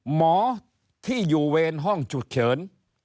หมอที่อยู่เวรห้องฉุกเฉิน